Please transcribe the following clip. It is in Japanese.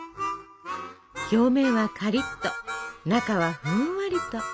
表面はカリッと中はふんわりと。